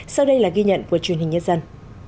sau đây là ghi nhận của truyền hình nhân dân